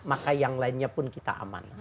maka yang lainnya pun kita aman